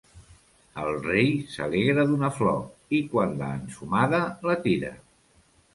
El rei s'alegra d'una flor i quan l'ha ensumada, la tira.